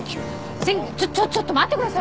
センちょちょっと待ってください。